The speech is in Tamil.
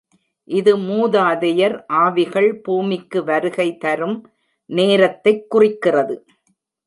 இது மூதாதையர் ஆவிகள் பூமிக்கு வருகை தரும் நேரத்தைக் குறிக்கிறது.